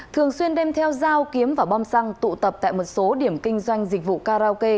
thường xuyên đem theo dao kiếm và bom xăng tụ tập tại một số điểm kinh doanh dịch vụ karaoke